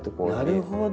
なるほど！